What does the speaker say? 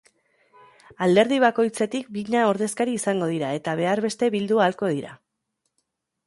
Alderdi bakoitzetik bina ordezkari izango dira eta behar beste bildu ahalko dira.